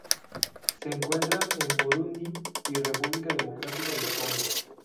Se encuentra en Burundi y República Democrática del Congo.